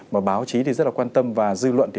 mà báo chí thì rất là quan tâm và dư luận